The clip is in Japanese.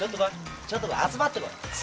すーっと集まってこい。